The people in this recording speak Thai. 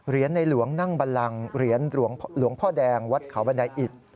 เรียนในหลวงนั่งบัลลังหลวงพ่อแดงวัดเขาบันไดอิต